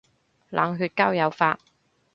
冷血交友法